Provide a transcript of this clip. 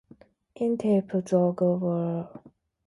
Een tip: zorg voor zuinige laptops.